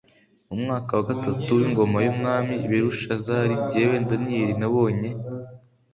mu mwaka wa gatatu w ingoma y umwami belushazari jyewe daniyeli nabonye